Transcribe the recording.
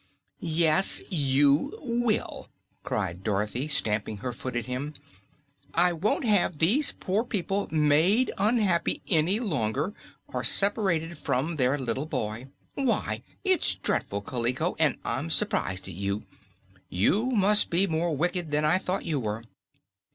"Yes, you will!" cried Dorothy, stamping her foot at him. "I won't have those poor people made unhappy any longer, or separated from their little boy. Why, it's dreadful, Kaliko, an' I'm su'prised at you. You must be more wicked than I thought you were."